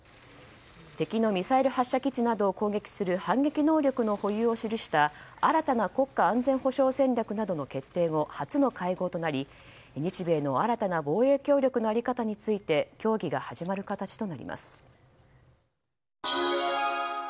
敵のミサイル発射基地などを攻撃する反撃能力の保有を記した新たな国家安全保障戦略などの決定後初の会合となり、日米の新たな防衛協力の在り方について協議が始まる形となります。